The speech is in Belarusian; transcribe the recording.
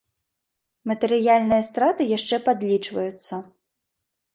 Матэрыяльныя страты яшчэ падлічваюцца.